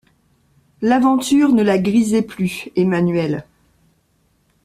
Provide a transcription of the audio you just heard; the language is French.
L’aventure ne la grisait plus, Emmanuelle.